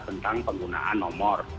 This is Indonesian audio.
tentang penggunaan nomor